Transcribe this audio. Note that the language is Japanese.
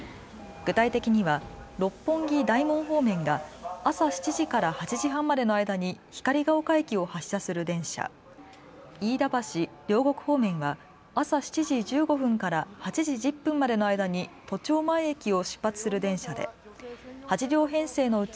具体的には六本木・大門方面が朝７時から８時半までの間に光が丘駅を発車する電車、飯田橋・両国方面は朝７時１５分から８時１０分までの間に都庁前駅を出発する電車で８両編成のうち